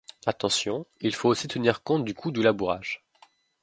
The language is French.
Attention: il faut aussi tenir compte du coût du labourage.